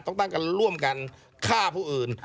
ต้องตั้งกันร่วมกันฆ่าผู้อื่น